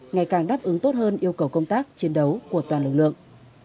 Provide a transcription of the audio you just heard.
ngày càng đáp ứng tốt hơn yêu cầu công tác chiến đấu của toàn lực lượng